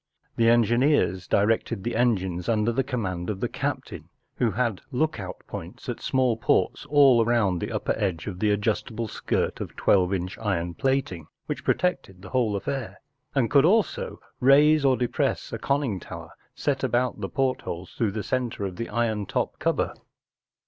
The engineers directed the engines under the command of the captain, who had look out points at small ports all round the upnef edge of the adjustable skirt of twelve inch iron plating which protected the whole affair, and who could also raise or depress a conning tower set about the portholes through the centre of tlie iron top cover.